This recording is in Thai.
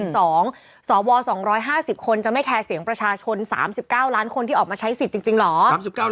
สว๒๕๐คนจะไม่แคร์เสียงประชาชน๓๙ล้านคนที่ออกมาใช้สิทธิ์จริงเหรอ